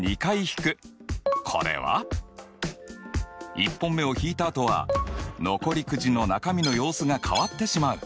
１本目を引いたあとは残りクジの中身の様子が変わってしまう。